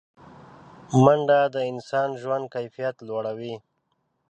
منډه د انسان د ژوند کیفیت لوړوي